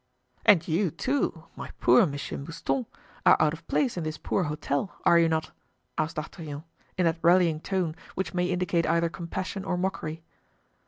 "And you, too, my poor Monsieur Mouston, are out of place in this poor hotel, are you not?" asked D'Artagnan, in that rallying tone which may indicate either compassion or mockery.